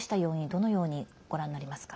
どのようにご覧になりますか。